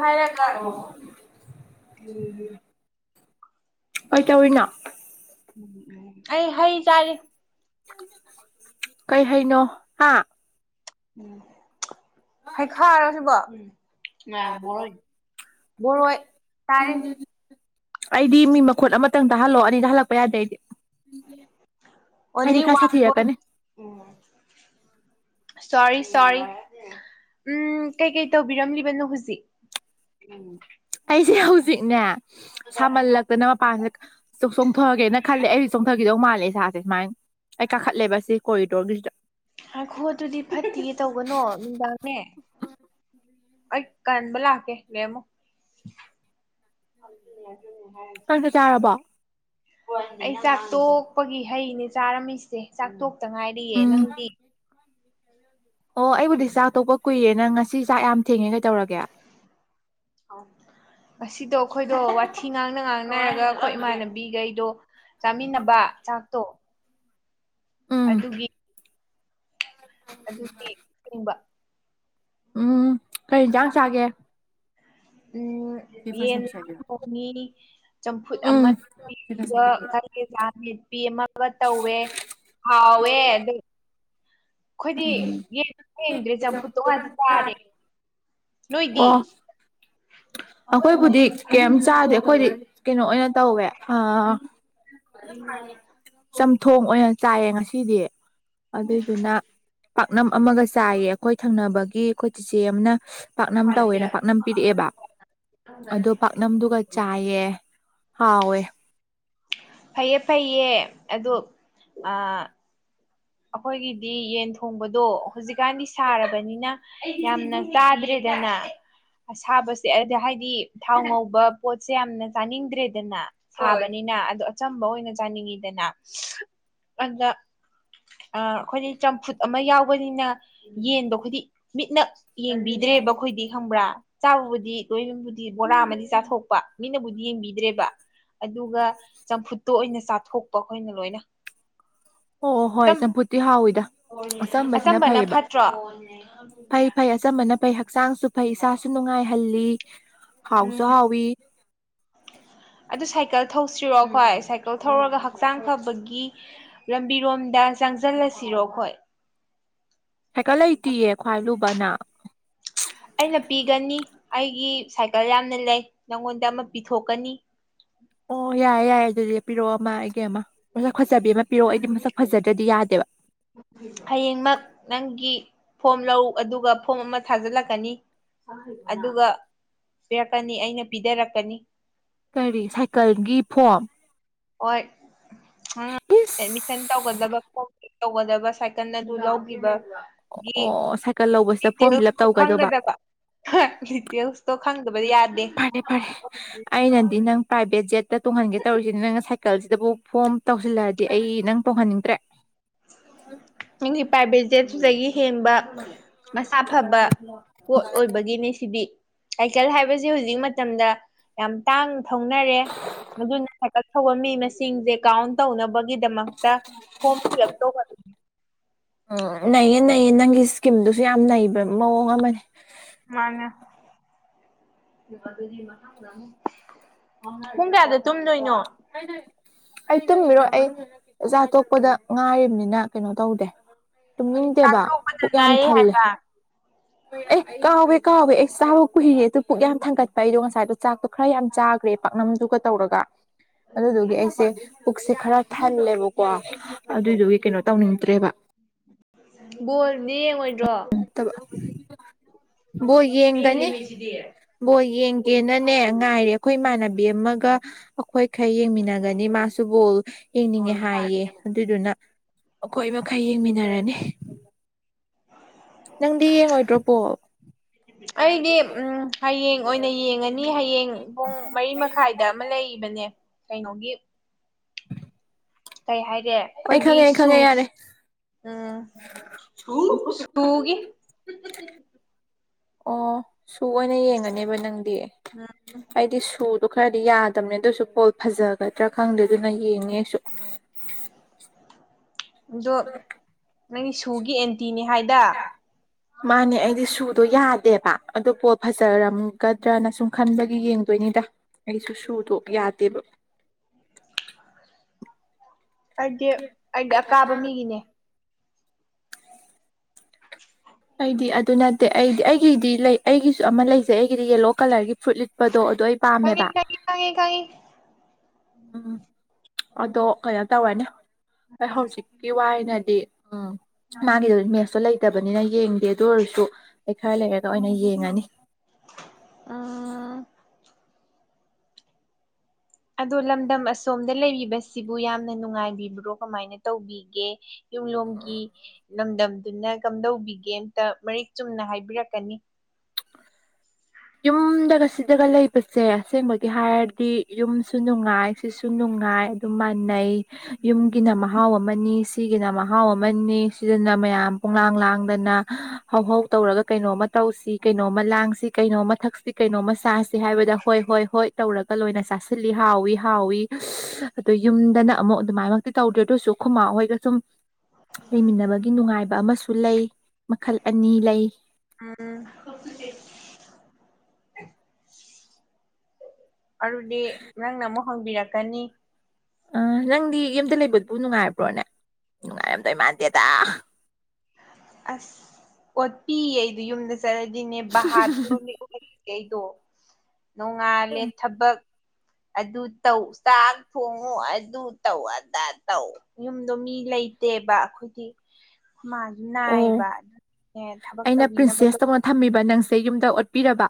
ꯍꯥꯏꯔꯒ ꯑꯧ [unintelligible] ꯀꯩ ꯇꯧꯋꯤꯅꯣ ꯎꯝ [unintelligible] ꯎ [unintelligible] ꯑꯩ ꯍꯩ ꯆꯔꯤ ꯀꯩ ꯍꯩꯅꯣ ꯍꯥ ꯎꯝ ꯍꯩꯈꯥꯔꯣ ꯁꯤꯕꯣ ꯎꯝ ꯇꯥꯔꯦ ꯑꯩꯗꯤ ꯃꯤ ꯃꯈꯨꯠ ꯑꯃ ꯈꯤꯇꯪ [unintelligible] ꯇꯥꯍꯜꯂꯛꯑꯣ ꯑꯅꯤ ꯇꯥꯍꯜꯂꯛꯄ ꯌꯥꯗꯦ ꯑꯩꯗꯤ ꯑꯩꯗꯤ ꯈꯔ ꯁꯥꯊꯤꯔꯛꯀꯅꯤ ꯎꯝ ꯁꯣꯔꯤ ꯁꯣꯔꯤ ꯎꯝ ꯀꯩꯀꯩ ꯇꯧꯕꯤꯔꯝꯂꯤꯕꯅꯣ ꯍꯧꯖꯤꯛ ꯎ [unintelligible] ꯑꯩꯁꯦ ꯍꯧꯖꯤꯛꯅꯦ ꯁꯥꯃꯜꯂꯛꯇꯅ ꯃꯄꯥꯟꯁꯦ ꯆꯣ ꯆꯣꯡꯊꯣꯔꯑꯒꯦꯅ ꯈꯜꯂꯦ ꯑꯩ ꯆꯣꯡꯊꯈꯤꯗꯧ ꯃꯥꯜꯂꯦ ꯏꯁꯥꯁꯦ ꯁꯨꯃꯥꯏꯅ ꯑꯩ ꯀꯥꯈꯠꯂꯦꯕ ꯁꯤ ꯀꯣꯔꯤꯗꯣꯔꯒꯤꯁꯤꯗ ꯍꯥꯏꯈꯣ [unintelligible] ꯑꯗꯨꯗꯤ ꯐꯠꯇꯤꯌꯦ ꯇꯧꯒꯅꯣ ꯅꯨꯡꯗꯥꯡꯅꯦ ꯑꯩ ꯀꯟꯕ ꯂꯥꯛꯀꯦ ꯂꯩꯔꯝꯃꯨ ꯎ [unintelligible] ꯍꯥꯏ [unintelligible] ꯅꯪ ꯆꯥꯛ ꯆꯥꯔꯕꯣ ꯑꯩ ꯆꯥꯛꯇꯣꯛꯄꯒꯤ ꯍꯩꯅꯦ ꯆꯥꯔꯝꯃꯤꯁꯦ ꯆꯥꯛꯇꯣꯛꯇ ꯉꯥꯏꯔꯤꯌꯦ ꯎꯝ ꯅꯪꯗꯤ ꯑꯣ ꯑꯩꯕꯨꯗꯤ ꯆꯥꯛ ꯇꯣꯛꯄ ꯀꯨꯏꯔꯦ ꯅꯪ ꯉꯁꯤ ꯆꯥꯛ ꯌꯥꯝ ꯊꯦꯡꯉꯦ ꯀꯩ ꯇꯧꯔꯒꯦ ꯑꯁꯤꯗꯣ ꯑꯩꯈꯣꯏꯗꯣ ꯋꯥꯊꯤ ꯉꯥꯡꯅ ꯉꯥꯡꯅꯔꯒ ꯑꯩꯈꯣꯏ ꯏꯃꯥꯟꯅꯕꯤꯈꯩꯗꯣ ꯆꯥꯃꯤꯟꯅꯕ ꯆꯥꯛꯇꯣ ꯎꯝ ꯑꯗꯨꯒꯤ ꯑꯗꯨꯗꯤ ꯆꯤꯡꯕ ꯎꯝ ꯀꯔꯤ ꯌꯦꯟꯁꯥꯡ ꯆꯥꯒꯦ ꯎꯝ꯫ ꯌꯦꯟ ꯑꯃ ꯊꯣꯡꯉꯤ ꯆꯝꯐꯨꯠ ꯎꯝ ꯑꯃ ꯇ ꯑꯗꯨꯒ ꯀꯂꯦꯖꯥ ꯃꯦꯠꯄꯤ ꯑꯃꯥ ꯇꯧꯋꯦ ꯍꯋꯦ ꯑꯗꯨ ꯑꯩꯈꯣꯏꯗꯤ ꯌꯦꯟꯖꯨ ꯊꯤꯡꯗꯔ꯭ꯦ ꯆꯝꯐꯨꯠ ꯉꯛ ꯆꯥꯔꯦ ꯆꯔꯦ ꯅꯣꯏꯗꯤ ꯑꯣ ꯑꯩꯈꯣꯏꯕꯨꯗꯤ ꯀꯩꯝ ꯆꯥꯗꯦ ꯑꯩꯈꯣꯏꯗꯤ ꯀꯩꯅꯣ ꯑꯣꯏꯅ ꯇꯧꯋꯦ ꯑ ꯆꯝꯊꯣꯡ ꯑꯣꯏꯅ ꯆꯥꯏꯌꯦ ꯉꯁꯤꯗꯤ ꯑꯗꯨꯏꯗꯨꯅ ꯄꯥꯛꯅꯝ ꯑꯃꯒ ꯆꯥꯏꯌꯦ ꯑꯩꯈꯣꯏ ꯊꯪꯅꯕꯒꯤ ꯑꯩꯈꯣꯏ ꯆꯤꯆꯦ ꯑꯃꯅ ꯄꯥꯛꯅꯝ ꯇꯧꯋꯦꯅ ꯄꯥꯛꯅꯝ ꯄꯤꯔꯛꯑꯦꯕ ꯑꯗꯣ ꯄꯥꯛꯅꯝꯗꯨꯒ ꯆꯥꯏꯌꯦ ꯍꯥꯎꯋꯦ ꯐꯩꯌꯦ ꯐꯩꯌꯦ ꯑꯣ ꯑ ꯑꯩꯈꯣꯏꯒꯤꯗꯤ ꯌꯦꯟ ꯊꯣꯡꯕꯗꯣ ꯍꯧꯖꯤꯛꯀꯥꯟꯗꯤ ꯁꯥꯔꯕꯅꯤꯅ ꯌꯥꯝꯅ ꯇꯥꯗ꯭ꯔꯔꯤꯗꯅ ꯑꯁꯥꯕꯁꯦ ꯑꯗꯨꯗ ꯍꯥꯏꯗꯤ ꯊꯥꯎ ꯉꯧꯕ ꯄꯣꯠꯁꯦ ꯌꯥꯝꯅ ꯆꯥꯅꯤꯡꯗ꯭ꯔꯦꯗꯅ ꯁꯥꯕꯅꯤꯅ ꯑꯗꯨ ꯑꯆꯝꯕ ꯑꯣꯏꯅ ꯆꯥꯅꯤꯡꯉꯤꯗꯅ ꯑꯗ ꯑ ꯑꯩꯈꯣꯏꯗꯤ ꯆꯝꯐꯨꯠ ꯑꯃ ꯌꯥꯎꯕꯅꯤꯅ ꯌꯦꯟꯗꯣ ꯑꯩꯈꯣꯏꯗꯤ ꯃꯤꯠꯅ ꯌꯦꯡꯕꯤꯗ꯭ꯔꯦꯕ ꯑꯩꯈꯣꯏꯗꯤ ꯈꯪꯕ꯭ꯔꯥ ꯆꯥꯕꯕꯨꯗꯤ ꯂꯣꯏ ꯕꯣꯔꯥ ꯑꯃꯗꯤ ꯆꯥꯊꯣꯛꯄ ꯃꯤꯅꯕꯨꯗꯤ ꯌꯦꯡꯕꯤꯗ꯭ꯔꯦꯕ ꯑꯗꯨꯒ ꯆꯝꯐꯨꯠꯇꯣ ꯑꯣꯏꯅ ꯆꯥꯊꯣꯛꯄ ꯑꯩꯈꯣꯏꯅ ꯂꯣꯏꯅ ꯑꯣ ꯍꯣꯏ ꯏꯆꯝ ꯆꯝꯐꯨꯠꯇꯤ ꯍꯥꯎꯋꯤꯗ ꯑꯆꯝꯕꯁꯤꯅ ꯑꯆꯝꯕꯅ ꯐꯩꯌꯦꯕ ꯐꯠꯇ꯭ꯔꯣ ꯐꯩ ꯐꯩ ꯑꯆꯝꯕꯅ ꯐꯩ ꯍꯛꯆꯥꯡꯁꯨ ꯐꯩ ꯏꯁꯥꯁꯨ ꯅꯨꯡꯉꯥꯏꯍꯜꯂꯤ ꯍꯥꯎꯁꯨ ꯎꯝ ꯍꯥꯎꯏ ꯑꯗꯨ ꯁꯥꯏꯀꯜ ꯊꯧꯁꯤꯔꯣ ꯑꯩꯣꯏ ꯁꯥꯏꯀꯜ ꯊꯧꯔꯒ ꯍꯛꯆꯥꯡ ꯐꯕꯒꯤ ꯂꯝꯕꯤꯔꯣꯝꯗ ꯆꯪꯁꯤꯜꯂꯁꯤꯔꯣ ꯑꯩꯈꯣꯏ ꯁꯥꯏꯀꯜ ꯂꯩꯇꯤꯌꯦ ꯈ꯭ꯋꯥꯏ ꯂꯨꯕꯅ ꯑꯩꯅ ꯄꯤꯒꯅꯤ ꯑꯩꯒꯤ ꯁꯥꯏꯀꯜ ꯌꯥꯝꯅ ꯂꯩ ꯅꯪꯉꯣꯟꯗ ꯑꯃ ꯄꯤꯊꯣꯛꯀꯅꯤ ꯑꯣ ꯌꯥꯏꯌꯦ ꯌꯥꯏꯌꯦ ꯑꯗꯨꯗꯤ ꯄꯤꯔꯛꯑꯣ ꯑꯃ ꯑꯩꯒꯤ ꯑꯃ ꯃꯁꯛ ꯐꯖꯕꯤ ꯑꯃ ꯄꯤꯔꯛꯑꯣ ꯑꯩꯗꯤ ꯃꯁꯛ ꯐꯖꯗ꯭ꯔꯗꯤ ꯌꯥꯗꯦꯕ ꯍꯌꯦꯡꯃꯛ ꯅꯪꯒꯤ ꯐꯣꯝ ꯂꯧ ꯑꯗꯨꯒ ꯐꯣꯝ ꯑꯃ ꯊꯥꯖꯤꯜꯂꯛꯀꯅꯤ ꯑꯗꯨꯒ ꯄꯤꯔꯛꯀꯅꯤ ꯑꯩꯅ ꯄꯤꯊꯔꯛꯀꯅꯤ ꯀꯔꯤ ꯁꯥꯏꯀꯜꯒꯤ ꯐꯣꯝ ꯍꯣꯏ ꯅꯪꯅ ꯏꯁ ꯑꯦꯠꯃꯤꯁꯟ ꯇꯧꯒꯗꯕꯥꯀꯣ ꯇꯧꯒꯗꯕ ꯁꯥꯏꯀꯜ ꯑꯗꯨ ꯂꯧꯈꯤꯕ ꯑꯣ ꯁꯥꯏꯀꯜ ꯂꯧꯕꯁꯤꯗ ꯐꯣꯔꯝ ꯐꯤꯜ ꯑꯞ ꯗꯦꯇꯦꯜꯁ ꯇꯧꯒꯗꯧꯕ ꯈꯪꯒꯗꯕ ꯗꯦꯇꯦꯜꯁꯇꯣ ꯈꯪꯗꯕꯗꯤ ꯌꯥꯗꯦ ꯐꯔꯦ ꯐꯔꯦ ꯑꯩꯅꯗꯤ ꯅꯪ ꯄ꯭ꯔꯥꯏꯚꯦꯠ ꯖꯦꯠꯇ ꯇꯣꯡꯍꯟꯒꯦ ꯇꯧꯔꯤꯁꯤꯅ ꯅꯪ ꯉꯁꯥꯏ ꯀꯜꯁꯤꯗꯕꯨꯥꯎ ꯐꯣꯝ ꯇꯧꯁꯤꯜꯂꯛꯑꯗꯤ ꯑꯩ ꯅꯪ ꯇꯧꯍꯟꯅꯤꯡꯗ꯭ꯔꯦ ꯅꯪꯒꯤ ꯄꯔꯥꯏꯕꯦꯠ ꯖꯦꯠ ꯑꯗꯨꯗꯒꯤ ꯊꯦꯡꯕ ꯃꯁꯥ ꯐꯕ ꯄꯣꯠ ꯑꯣꯏꯕꯒꯤꯅꯦ ꯁꯤꯗꯤ ꯑꯥꯏꯀꯜ ꯍꯥꯏꯕꯁꯤ ꯍꯧꯖꯤꯛ ꯃꯇꯝꯗ ꯌꯥꯝ ꯇꯥꯡꯅ ꯊꯧꯅꯔꯦ ꯑꯗꯨꯅ ꯍꯥꯏꯀꯠ ꯊꯧꯕ ꯃꯤ ꯃꯁꯤꯡꯁꯦ ꯀꯥꯎꯟ ꯇꯧꯅꯕꯒꯤꯗꯃꯛꯇ ꯍꯣꯝ ꯐꯤꯜ ꯑꯞ ꯇꯧꯕ ꯎꯝ ꯅꯩꯌꯦ ꯅꯩꯌꯦ ꯅꯪꯒꯤ ꯏꯁꯀꯤꯝꯗꯨꯁꯨ ꯌꯥꯝ ꯅꯩꯕ ꯃꯑꯣꯡ ꯑꯃꯅꯦ ꯃꯥꯅꯦ ꯄꯨꯡ ꯀꯌꯥꯗ ꯇꯨꯝꯗꯣꯏꯅꯣ ꯀꯥꯏꯗꯦ ꯑꯩ ꯇꯨꯝꯒꯤꯔꯣꯏ ꯑꯩ ꯆꯛꯆꯥ ꯇꯣꯛꯄꯗ ꯉꯥꯏꯔꯤꯝꯅꯤꯅ ꯀꯩꯅꯣ ꯇꯧꯗꯦ ꯆꯥꯛ ꯇꯨꯝꯅꯤꯡꯗꯦꯕ ꯇꯣꯛꯄꯗ ꯄꯨꯛ ꯌꯥꯝ ꯉꯥꯏꯔꯤ ꯊꯜꯂꯦ ꯍꯥꯏꯕ ꯑꯦ ꯀꯥꯎꯋꯦ ꯀꯥꯎꯋꯦ ꯑꯩ ꯆꯥꯕ ꯀꯨꯏꯔꯦ ꯑꯗꯨ ꯄꯨꯛ ꯌꯥꯝ ꯊꯪꯒꯠꯄ ꯑꯩꯗꯣ ꯉꯁꯥꯏꯗꯣ ꯆꯥꯛꯇꯣ ꯈꯔ ꯌꯥꯝ ꯆꯥꯒ꯭ꯔꯦ ꯄꯥꯛꯅꯝꯗꯨꯒ ꯇꯧꯔꯒ ꯑꯗꯨꯗꯨꯒꯤ ꯑꯩꯁꯦ ꯄꯨꯛꯁꯦ ꯈꯔ ꯊꯜꯂꯦꯕꯀꯣ ꯑꯗꯨꯏꯗꯨꯒꯤ ꯀꯩꯅꯣ ꯇꯧꯅꯤꯡꯗ꯭ꯔꯦꯕ ꯕꯣꯜꯗꯤ ꯌꯦꯡꯉꯣꯏꯗ꯭ꯔꯣ [unintelligible] ꯕꯣꯏ ꯌꯦꯡꯒꯅꯤ ꯕꯣꯜ ꯌꯦꯡꯒꯦꯅꯅꯦ ꯉꯥꯏꯔꯦ ꯑꯩꯈꯣꯏ ꯏꯃꯥꯟꯅꯕꯤ ꯑꯃꯒ ꯑꯩꯈꯣꯏ ꯈꯔ ꯌꯦꯡꯃꯤꯟꯅꯒꯅꯤ ꯃꯥꯁꯨ ꯕꯣꯜ ꯌꯦꯡꯅꯤꯡꯉꯦ ꯍꯥꯏꯌꯦ ꯑꯗꯨꯗꯨꯅ ꯑꯩꯈꯣꯏ ꯃꯈꯩ ꯌꯦꯡꯃꯤꯟꯅꯔꯅꯤ ꯅꯪꯗꯤ ꯌꯦꯡꯉꯣꯏꯗ꯭ꯔꯣ ꯕꯣꯜ ꯑꯩꯗꯤ ꯎꯝ ꯍꯌꯦꯡ ꯑꯣꯏꯅ ꯌꯦꯡꯉꯅꯤ ꯍꯌꯦꯡ ꯄꯨꯡ ꯃꯔꯤ ꯃꯈꯥꯏꯗ ꯑꯃ ꯂꯩ ꯕꯅꯦ ꯀꯩꯅꯣꯒꯤ [inaudible] ꯀꯩ ꯍꯥꯏꯗꯦ ꯑꯩ ꯑꯩꯈꯣꯏꯒꯤ ꯈꯪꯉꯦ ꯑꯩ ꯈꯪꯉꯦ ꯌꯥꯔꯦ ꯁꯨꯁ ꯑꯝ ꯁꯨ ꯁꯨꯒꯤ ꯑꯣ ꯁꯨ ꯑꯣꯏꯅ ꯌꯦꯡꯒꯅꯦꯕ ꯅꯪꯗꯤ ꯎꯝ ꯑꯩꯗꯤ ꯁꯨꯗꯣ ꯈꯔꯗꯤ ꯌꯥꯗꯕꯅꯦ ꯑꯗꯨꯁꯨ ꯕꯣꯜ ꯐꯖꯒꯗ꯭ꯔꯥ ꯈꯪꯗꯦ ꯑꯗꯨꯅ ꯌꯦꯡꯅꯤ ꯑꯩꯁꯨ ꯑꯗꯣ ꯅꯪꯗꯤ ꯁꯨꯒꯤ ꯑꯦꯟꯇꯤꯅꯤ ꯍꯥꯏꯗ ꯃꯥꯅꯦ ꯑꯩꯗꯤ ꯁꯨꯗꯣ ꯌꯥꯗꯦꯕ ꯑꯗꯨ ꯄꯣꯠ ꯐꯖꯔꯝꯒꯗ꯭ꯔꯅ ꯁꯨꯝ ꯈꯟꯕꯒꯤ ꯌꯦꯡꯗꯣꯏꯅꯤꯗ ꯑꯩꯁꯨ ꯁꯨꯗꯣ ꯌꯥꯗꯦꯕ ꯑꯩꯗꯤ ꯑꯩꯗꯤ ꯑꯀꯥꯕ ꯃꯤꯒꯤꯅꯦ ꯑꯩꯗꯤ ꯑꯗꯨ ꯅꯠꯇꯦ ꯑꯩꯗꯤ ꯑꯩꯒꯤꯗꯤ ꯂꯩ ꯑꯩꯒꯤꯁꯨ ꯑꯃ ꯂꯩꯖꯩ ꯑꯩꯒꯤꯗꯤ ꯌꯦꯂꯣ ꯀꯂꯔꯒꯤ ꯐ꯭ꯔꯨꯠ ꯂꯤꯠꯄꯗꯣ ꯑꯗꯣ ꯑꯩ ꯈꯪꯉꯤ ꯄꯥꯝꯃꯦꯕ ꯈꯪꯉꯤ ꯈꯪꯉꯤ ꯈꯪꯉꯤ ꯎꯝ ꯑꯗꯣ ꯀꯩꯅꯣ ꯇꯧꯔꯦꯅꯦ ꯑꯩ ꯍꯧꯖꯤꯛꯀꯤ ꯋꯥ ꯑꯩꯅꯗꯤ ꯎꯝ ꯃꯥꯒꯤꯗꯣ ꯃꯦꯠꯁꯇ ꯂꯩꯇꯕꯅꯤꯅ ꯌꯦꯡꯗꯦ ꯑꯗꯨ ꯑꯣꯏꯔꯁꯨ ꯑꯩ ꯈꯔ ꯂꯩꯔꯒ ꯑꯣꯏꯅ ꯌꯦꯡꯉꯅꯤ ꯎꯝ ꯑꯗꯣ ꯂꯝꯗꯝ ꯑꯁꯣꯝꯗ ꯂꯩꯔꯤꯕꯁꯤꯕꯨ ꯌꯥꯝꯅ ꯅꯨꯡꯉꯥꯏꯕꯤꯕ꯭ꯔꯣ ꯀꯃꯥꯏꯅ ꯇꯧꯕꯤꯒꯦ ꯌꯨꯝꯂꯣꯝꯒꯤ ꯂꯝꯗꯝꯗꯨꯅ ꯀꯝꯗꯧꯕꯤꯒꯦ ꯑꯝꯇ ꯃꯔꯤꯛ ꯆꯨꯝꯅ ꯍꯥꯏꯕꯤꯔꯛꯀꯅꯤ ꯌꯨꯝꯗꯒ ꯁꯤꯗꯒ ꯂꯩꯕꯁꯦ ꯑꯁꯦꯡꯕꯒꯤ ꯍꯥꯏꯔꯗꯤ ꯌꯨꯝꯁꯨ ꯅꯨꯡꯉꯥꯏ ꯁꯤꯁꯨ ꯅꯨꯡꯉꯥꯏ ꯑꯗꯨꯝ ꯃꯥꯟꯅꯩ ꯌꯨꯝꯒꯤꯅ ꯃꯍꯥꯎ ꯑꯃꯅꯤ ꯁꯤꯒꯤꯅ ꯃꯍꯥꯎ ꯑꯃꯅꯤ ꯁꯤꯗꯅ ꯃꯌꯥꯝ ꯄꯨꯝꯂꯥꯡ ꯂꯥꯡꯗꯅ ꯍꯧꯍꯧ ꯇꯧꯔꯒ ꯀꯩꯅꯣꯝꯃ ꯇꯧꯁꯤ ꯀꯩꯅꯣꯝꯃ ꯂꯥꯡꯁꯤ ꯀꯩꯅꯣꯝꯃ ꯊꯛꯁꯤ ꯀꯩꯅꯣꯝꯃ ꯆꯥꯁꯤ ꯍꯥꯏꯕꯗ ꯍꯣꯏ ꯍꯣꯏ ꯍꯣꯏ ꯇꯧꯔꯒ ꯂꯣꯏꯅ ꯆꯥꯁꯤꯜꯂꯤ ꯍꯥꯎꯏ ꯍꯥꯎꯏ ꯑꯁ ꯑꯗꯣ ꯌꯨꯝꯗꯅ ꯑꯃꯨꯛ ꯑꯗꯨꯃꯥꯏꯃꯛꯇꯤ ꯇꯧꯗ꯭ꯔꯦ ꯑꯗꯨꯁꯨ ꯈꯨꯃꯥ ꯍꯣꯏꯗ ꯁꯨꯝ ꯂꯩꯃꯤꯟꯅꯕꯒꯤ ꯅꯨꯡꯉꯥꯏꯕ ꯑꯃꯁꯨ ꯂꯩ ꯃꯈꯜ ꯑꯅꯤ ꯂꯩ ꯎꯝ ꯑꯗꯨꯗꯤ ꯅꯪꯅ ꯑꯃꯨꯛ ꯍꯪꯕꯤꯔꯛꯀꯅꯤ ꯑ ꯅꯪꯗꯤ ꯌꯨꯝꯗ ꯂꯩꯕꯗꯨꯕꯨ ꯅꯨꯡꯉꯥꯏꯕ꯭ꯔꯣꯅꯦ ꯅꯨꯡꯉꯥꯏꯔꯝꯗꯣꯏ ꯃꯥꯟꯗꯦꯗ ꯑꯁ ꯑꯣꯠꯄꯤꯌꯦ ꯑꯩꯗꯣ ꯌꯨꯝꯗ ꯆꯠꯂꯗꯤꯅꯦ ꯕꯍꯥꯗꯨꯔ ꯑꯩꯗꯣ ꯅꯣꯡꯉꯥꯜꯂꯦ ꯊꯕꯛ ꯑꯗꯨ ꯇꯧ ꯆꯥꯛ ꯊꯣꯡꯉꯨ ꯑꯗꯨ ꯇꯧ ꯑꯗꯥ ꯇꯧ ꯌꯨꯝꯗꯣ ꯃꯤ ꯂꯩꯇꯦꯕ ꯑꯈꯣꯢꯗꯤ ꯃꯥ ꯑꯣ ꯅꯥꯢꯕ ꯅꯦ ꯊꯕꯛ ꯇꯧꯕꯤꯅꯕꯗꯣ ꯐꯝꯃꯤꯕ ꯅꯪꯁꯦ ꯌꯨꯝꯗ ꯑꯣꯠꯄꯤꯔꯕ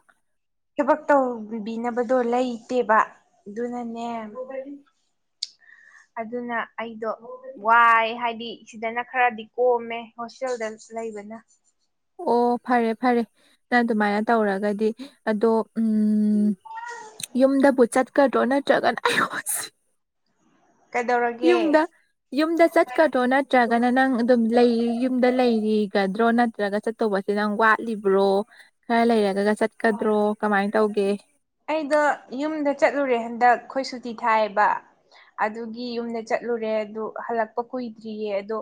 ꯊꯕꯛ ꯇꯧꯕꯤꯅꯕꯗꯣ ꯂꯩꯇꯦꯕ ꯑꯗꯨꯅꯅꯦ ꯑꯗꯨꯅ ꯑꯩꯗꯣ ꯋꯥꯢ ꯍꯥꯢꯗꯤ ꯁꯤꯗꯅ ꯈꯔꯗꯤ ꯀꯣꯝꯃꯦ ꯍꯣꯁꯇꯦꯜꯗ ꯂꯩꯕꯅ ꯑꯣ ꯐꯔꯦ ꯐꯔꯦ ꯅꯪ ꯑꯗꯨꯃꯥꯢꯅ ꯇꯧꯔꯒꯗꯤ ꯑꯗꯣ ꯎꯝ ꯌꯨꯝꯗꯕꯨ ꯆꯠꯀꯗ꯭ꯔꯣ ꯅꯠꯇ꯭ꯔꯒꯅ ꯑꯌꯣꯃ ꯁꯤ ꯀꯩꯗꯧꯔꯒꯦ ꯌꯨꯝꯗ ꯌꯨꯝꯗ ꯆꯠꯀꯗ꯭ꯔꯣ ꯅꯠꯇ꯭ꯔꯒꯅ ꯅꯪ ꯑꯗꯨꯝ ꯂꯩ ꯌꯨꯝꯗ ꯂꯩꯒꯗ꯭ꯔꯣ ꯅꯠꯇ꯭ꯔꯒ ꯆꯠ ꯇꯧꯕꯁꯤꯗꯪ ꯋꯥꯠꯂꯤꯕ꯭ꯔꯣ ꯈꯔ ꯂꯩꯔꯒꯒ ꯆꯠꯀꯗ꯭ꯔꯣ ꯀꯃꯥꯢ ꯇꯧꯒꯦ ꯑꯩꯗꯣ ꯌꯨꯝꯗ ꯆꯠꯂꯨꯔꯦ ꯍꯟꯗꯛ ꯈꯣꯏ ꯁꯨꯇꯤ ꯊꯥꯢꯑꯦꯕ ꯑꯗꯨꯒꯤ ꯌꯨꯝꯗ ꯆꯠꯂꯨꯔꯦ ꯑꯗꯨ ꯍꯜꯂꯛꯄ ꯀꯨꯢꯗ꯭ꯔꯤꯌꯦ ꯑꯗꯣ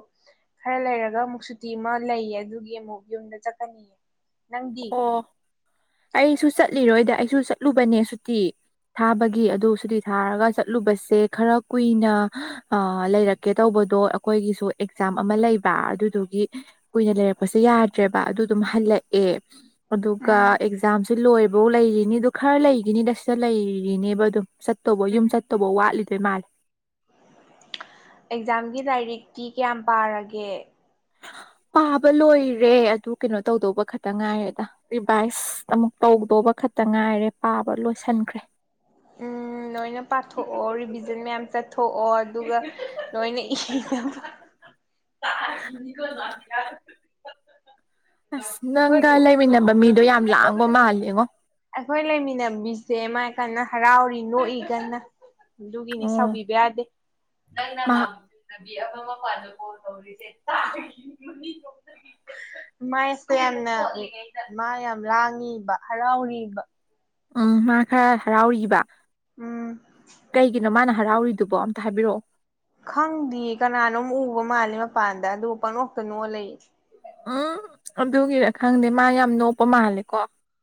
ꯈꯔ ꯂꯩꯔꯒ ꯑꯃꯨꯛ ꯁꯨꯇꯤ ꯑꯃ ꯂꯩꯌꯦ ꯑꯗꯨꯒꯤ ꯑꯃꯨꯛ ꯌꯨꯝꯗ ꯆꯠꯀꯅꯤ ꯅꯪꯗꯤ ꯑꯣ ꯑꯩꯁꯨ ꯆꯠꯂꯤꯔꯣꯢꯗ ꯑꯩꯁꯨ ꯆꯠꯂꯨꯕꯅꯦ ꯁꯨꯇꯤ ꯊꯥꯕꯒꯤ ꯑꯗꯨ ꯁꯨꯇꯤ ꯊꯥꯔꯒ ꯆꯠꯂꯨꯕꯁꯦ ꯈꯔ ꯀꯨꯢꯅ ꯑ ꯂꯩꯔꯛꯀꯦ ꯇꯧꯕꯗꯣ ꯑꯩꯈꯣꯢꯒꯤꯁꯨ ꯑꯦꯛꯖꯥꯝ ꯑꯃ ꯂꯩꯕ ꯑꯗꯨꯗꯨꯒꯤ ꯀꯨꯢꯅ ꯂꯩꯔꯛꯄꯁꯦ ꯌꯥꯗ꯭ꯔꯦꯕ ꯑꯗꯨ ꯑꯗꯨꯝ ꯍꯜꯂꯛꯑꯦ ꯑꯗꯨꯒ ꯎꯝ ꯑꯦꯛꯖꯥꯝꯁꯨ ꯂꯣꯢꯕꯧ ꯂꯩꯔꯤꯅꯤ ꯑꯗꯨ ꯈꯔ ꯂꯩꯒꯤꯅꯤꯗ ꯁꯤꯗ ꯂꯩꯔꯤꯅꯦꯕ ꯑꯗꯨꯝ ꯆꯠꯇꯧꯕ ꯌꯨꯝ ꯆꯠꯇꯧꯕ ꯋꯥꯠꯂꯤꯗꯣꯢ ꯃꯥꯜ ꯑꯦꯛꯖꯥꯝꯒꯤ ꯂꯥꯢꯔꯤꯛꯇꯤ ꯀꯤꯌꯥꯝ ꯄꯥꯔꯒꯦ ꯄꯥꯕ ꯂꯣꯢꯔꯦ ꯑꯗꯨ ꯀꯩꯅꯣ ꯇꯧꯗꯧꯕ ꯈꯛꯇ ꯉꯥꯢꯔꯦꯗ ꯔꯤꯚꯥꯢꯁ ꯑꯃꯨꯛ ꯇꯧꯗꯧꯕ ꯈꯛꯇ ꯉꯥꯢꯔꯦ ꯄꯥꯕ ꯂꯣꯢꯁꯤꯟꯈ꯭ꯔꯦ ꯅꯣꯢꯅ ꯄꯥꯊꯣꯛꯑꯣ ꯔꯤꯚꯤꯖꯟ ꯃꯌꯥꯝ ꯆꯠꯊꯣꯛꯑꯣ ꯑꯗꯨꯒ ꯅꯣꯢꯅ ꯏꯊꯣ ꯇꯔ ꯏꯅꯤ ꯀꯣ [unintelligible] ꯑꯁ ꯅꯪꯒ ꯂꯩꯃꯤꯟꯅꯕ ꯃꯤꯗꯣ ꯌꯥꯝ ꯂꯥꯡꯕ ꯃꯥꯜꯂꯤꯉꯣ ꯑꯩꯈꯣꯢ ꯂꯩꯃꯤꯟꯅꯕꯤꯁꯦ ꯃꯥ ꯀꯟꯅ ꯍꯔꯥꯎꯔꯤ ꯅꯣꯛꯏ ꯀꯟꯅ ꯑꯗꯨꯒꯤꯅꯤ ꯑꯣ ꯁꯥꯎꯕꯤꯕ ꯌꯥꯗꯦ ꯅꯪꯅ ꯃꯥ ꯃꯥꯕꯨ ꯆꯅꯕꯤ ꯑꯃ ꯃꯄꯥꯟꯗ ꯀꯣꯜ ꯇꯧꯔꯤꯁꯦ [unintelligible] ꯃꯥꯢꯁꯦ ꯌꯥꯝꯅ ꯃꯥ ꯌꯥꯝ ꯂꯥꯡꯉꯤꯕ ꯍꯔꯥꯎꯔꯤꯕ ꯎꯝ ꯃꯥ ꯈꯔ ꯍꯔꯥꯎꯔꯤꯕ ꯎꯝ ꯀꯩꯒꯤꯅꯣ ꯃꯥꯅ ꯍꯔꯥꯎꯔꯤꯗꯨꯕꯣ ꯑꯝꯇ ꯍꯥꯢꯕꯤꯔꯛꯑꯣ ꯈꯪꯗꯤꯌꯦ ꯀꯅꯥꯅꯣꯝ ꯎꯕ ꯃꯥꯜꯂꯦ ꯃꯄꯥꯟꯗ ꯑꯗꯨ ꯄꯪꯅꯣꯛꯇ ꯅꯣꯛꯑ ꯂꯩꯌꯦ ꯎꯝ ꯑꯗꯨꯒꯤꯔ ꯈꯪꯗꯦ ꯃꯥ ꯌꯥꯝ ꯅꯣꯛꯄ ꯃꯥꯜꯂꯤꯀꯣ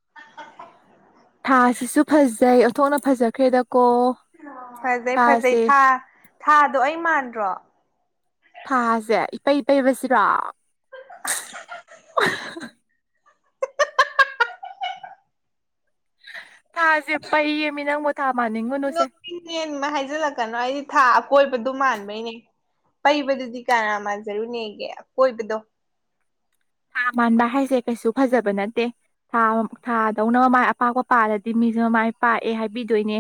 [unintelligible] ꯊꯥꯁꯤꯁꯨ ꯐꯖꯩ ꯊꯣꯛꯅ ꯐꯖꯈ꯭ꯔꯦꯗ ꯀꯣ ꯐꯖꯩ ꯐꯖꯩ ꯊꯥ ꯊꯥꯗꯣ ꯑꯩ ꯃꯥꯟꯗ꯭ꯔꯣ ꯊꯥꯁꯦ ꯏꯄꯩ ꯄꯩꯕꯁꯤꯔꯣ [unintelligible] ꯊꯥꯖꯦ ꯄꯩꯌꯦꯃꯤ ꯅꯪꯕꯨ ꯊꯥ ꯃꯥꯟꯅꯤꯡꯉꯨꯅꯨꯁꯦ ꯏ ꯅꯦꯟꯃ ꯍꯥꯢꯖꯤꯜꯂꯛꯀꯅꯣ ꯑꯩꯗꯤ ꯊꯥ ꯑꯀꯣꯢꯕꯗꯨ ꯃꯥꯟꯕꯩꯅꯦ ꯄꯩꯕꯗꯨꯗꯤ ꯀꯅꯥ ꯃꯥꯟꯖꯔꯨꯅꯦꯒꯦ ꯑꯀꯣꯢꯕꯗꯣ ꯊꯥ ꯃꯥꯟꯕ ꯍꯥꯏꯁꯦ ꯀꯩꯁꯨ ꯐꯖꯕ ꯅꯠꯇꯦ ꯊꯥ ꯊꯥ ꯇꯧꯅꯕ ꯃꯥꯏ ꯑꯄꯥꯛꯄ ꯄꯥꯜꯂꯗꯤ ꯃꯤꯖꯨ ꯃꯃꯥꯏ ꯄꯥꯛꯑꯦ ꯍꯥꯏꯕꯤꯗꯣꯏꯅꯦ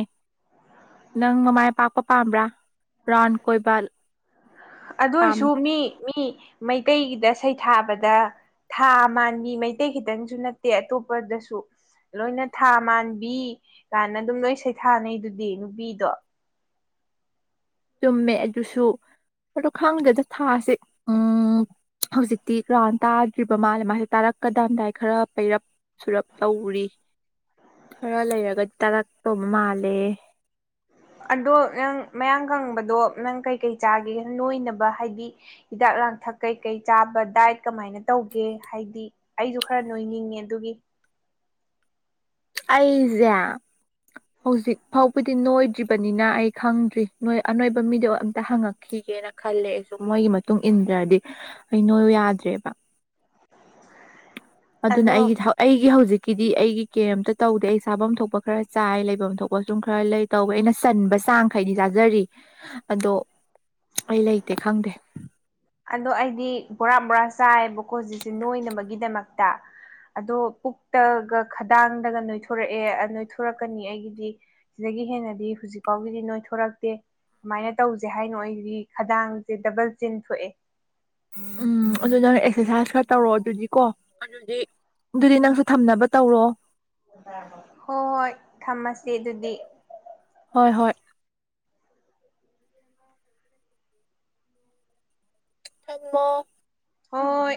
ꯅꯪ ꯃꯃꯥꯏ ꯄꯥꯛꯄ ꯄꯥꯝꯕ꯭ꯔꯥ ꯔꯥꯎꯟ ꯀꯣꯏꯕ ꯑꯗꯨ ꯄꯥꯝ ꯑꯣꯏꯁꯨ ꯃꯤ ꯃꯤ ꯃꯩꯇꯩꯒꯤꯗ ꯁꯩꯊꯥꯕꯗ ꯊꯥ ꯃꯥꯟꯕꯤ ꯃꯩꯇꯩ ꯈꯤꯇꯪꯁꯨ ꯅꯠꯇꯦ ꯑꯇꯣꯞꯄꯗꯁꯨ ꯂꯣꯏꯅ ꯊꯥ ꯃꯥꯟꯕꯤ ꯀꯥꯏꯅ ꯑꯗꯨꯝ ꯂꯣꯏ ꯁꯩꯊꯥꯅꯩꯗꯨꯗꯤ ꯅꯨꯄꯤꯗꯣ ꯆꯨꯝꯃꯦ ꯑꯗꯨꯁꯨ ꯑꯗꯨ ꯈꯪꯗꯦꯗ ꯊꯥꯁꯦ ꯎꯝ ꯍꯧꯖꯤꯛꯇꯤ ꯔꯥꯎꯟ ꯇꯥꯗ꯭ꯔꯤꯕ ꯃꯥꯜꯂꯦ ꯃꯥꯁꯦ ꯇꯥꯔꯛꯀꯗꯝꯗꯥꯏ ꯈꯔ ꯄꯩꯔꯞ ꯁꯨꯔꯞ ꯇꯧꯔꯤ ꯈꯔ ꯂꯩꯔꯒꯗꯤ ꯇꯥꯔꯛꯇꯧꯕ ꯃꯥꯜꯂꯦ ꯑꯗꯣ ꯅꯪ ꯃꯌꯥꯡ ꯀꯪꯕꯗꯣ ꯅꯪ ꯀꯩꯀꯩ ꯆꯥꯒꯦ ꯅꯣꯏꯅꯕ ꯍꯥꯏꯗꯤ ꯍꯤꯗꯥꯛ ꯂꯥꯡꯊꯛ ꯀꯩꯀꯩ ꯆꯥꯕ ꯗꯥꯏꯠ ꯀꯃꯥꯏꯅ ꯇꯧꯒꯦ ꯍꯥꯏꯗꯤ ꯑꯩꯁꯨ ꯈꯔ ꯅꯣꯏꯅꯤꯡꯉꯦ ꯑꯗꯨꯒꯤ ꯑꯩꯖꯦ ꯍꯧꯖꯤꯛ ꯐꯥꯎꯕꯗꯤ ꯅꯣꯏꯗ꯭ꯔꯤꯕꯅꯤꯅ ꯑꯩ ꯈꯪꯗ꯭ꯔꯤ ꯃꯣꯏ ꯑꯅꯣꯏꯕ ꯃꯤꯗꯣ ꯑꯝꯇ ꯍꯪꯉꯛꯈꯤꯒꯦꯅ ꯈꯜꯂꯦ ꯑꯩꯁꯨ ꯃꯣꯏꯒꯤ ꯃꯇꯨꯡ ꯏꯟꯗ꯭ꯔꯗꯤ ꯑꯩꯩ ꯅꯣꯏꯌꯣ ꯌꯥꯗ꯭ꯔꯦꯕ ꯑꯗꯨꯅ ꯑꯗꯣ ꯑꯩꯒꯤ [inaudible] ꯑꯩꯒꯤ ꯍꯧꯖꯤꯛꯀꯤꯗꯤ ꯑꯩꯒꯤ ꯀꯩꯝꯇ ꯇꯧꯗꯦ ꯑꯩ ꯁꯥꯐꯝ ꯊꯣꯛꯄ ꯈꯔ ꯆꯥꯏ ꯂꯩꯐꯝ ꯊꯣꯛꯄ ꯁꯨꯝ ꯈꯔ ꯂꯩ ꯇꯧꯋꯦ ꯑꯩꯅ ꯆꯟꯕ ꯆꯥꯡꯈꯩꯗꯤ ꯆꯥꯖꯔꯤ ꯑꯗꯣ ꯑꯩ ꯂꯩꯇꯦ ꯈꯪꯗꯦ ꯑꯗꯣ ꯑꯩꯗꯤ ꯕꯣꯔꯥ ꯕꯣꯔꯥ ꯆꯥꯏꯕꯀꯣ ꯍꯧꯖꯤꯛꯁꯦ ꯅꯣꯏꯅꯕꯒꯤꯗꯃꯛꯇ ꯑꯗꯣ ꯄꯨꯛꯇꯒ ꯈꯗꯥꯡꯗꯒ ꯅꯣꯏꯊꯣꯔꯛꯑꯦ ꯅꯣꯏꯊꯣꯔꯛꯀꯅꯤ ꯑꯩꯒꯤꯗꯤ ꯁꯤꯗꯒꯤ ꯍꯦꯟꯅꯗꯤ ꯍꯧꯖꯤꯛ ꯐꯥꯎꯒꯤꯗꯤ ꯅꯣꯏꯊꯣꯔꯛꯇꯦ ꯁꯨꯃꯥꯏꯅ ꯇꯧꯁꯦ ꯍꯥꯏꯅꯣ ꯑꯩꯗꯤ ꯈꯗꯥꯡꯁꯦ ꯗꯕꯜ ꯆꯤꯟ ꯊꯣꯛꯑꯦ ꯎꯝ ꯑꯗꯨ ꯅꯪ ꯑꯦꯛꯁꯔꯁꯥꯏꯁ ꯈꯔ ꯇꯧꯔꯛꯑꯣ ꯑꯗꯨꯗꯤꯀꯣ ꯑꯗꯨꯗꯤ ꯑꯗꯨꯗꯤ ꯅꯪꯁꯨ ꯊꯝꯅꯕ ꯇꯧꯔꯣ ꯍꯣꯏ ꯍꯣꯏ ꯊꯝꯃꯁꯤ ꯑꯗꯨꯗꯤ ꯍꯣꯏ ꯍꯣꯏ ꯎꯝ [inaudible] ꯍꯣꯏ